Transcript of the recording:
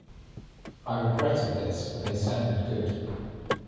I regretted this, for they sounded good.